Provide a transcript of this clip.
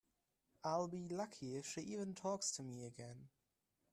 I'll be lucky if she even talks to me again.